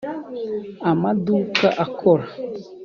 amaduka akora